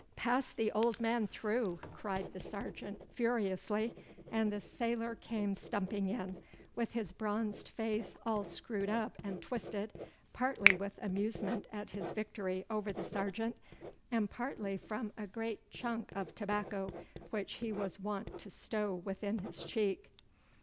'Pass the old man through!' cried the sergeant furiously, and the sailor came stumping in, with his bronzed face all screwed up and twisted, partly with amusement at his victory over the sergeant, and partly from a great chunk of tobacco which he was wont to stow within his cheek.